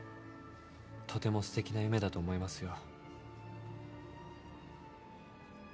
とてもすてきな夢だと思いますよ。